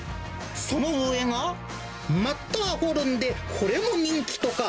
その上が、マッターホルンで、これも人気とか。